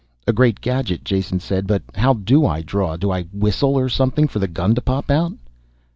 "A great gadget," Jason said, "but how do I draw? Do I whistle or something for the gun to pop out?"